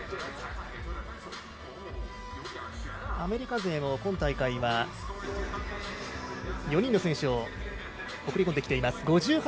アメリカ勢、今大会は４人の選手を送り込んできています。